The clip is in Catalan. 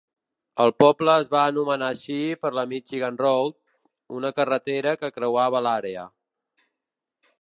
El poble es va anomenar així per la Michigan Road, una carretera que creuava l'àrea.